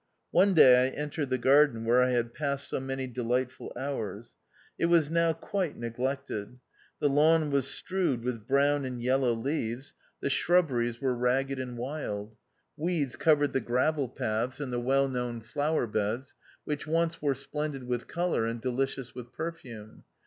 One day I entered the garden, where I had passed so many delightful hours. It was now quite neglected. The lawn was strewed with brown and yellow leaves ; the shrubberies THE OUTCAST. 243 were rasped and wild : weeds covered the gravel paths and the well known flower beds, which once were splendid with colour and delicious with perfume.